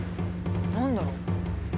何だろう？